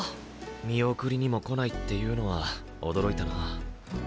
見送りにも来ないっていうのは驚いたな。